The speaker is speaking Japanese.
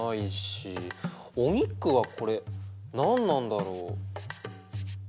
お肉はこれ何なんだろう？